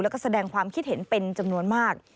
แล้วก็แสดงความคิดเห็นเป็นจำนวนมาก